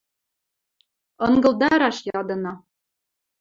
— Ынгылдараш ядына!